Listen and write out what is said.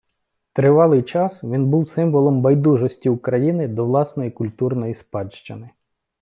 Тривалий час він був символом байдужості України до власної культурної спадщини.